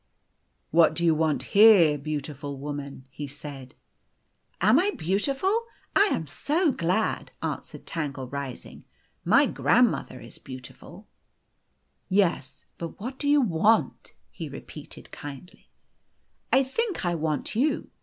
" What do you want here, beautiful woman ?" he said. " Am I beautiful ? I am so glad !" answered Tangle, rising. " My grandmother is beautiful." The Golden Key 199 " Yes. But what do you want ?' he repeated kindly. "I think I want you.